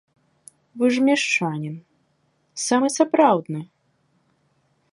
Вы ж мешчанін, самы сапраўдны!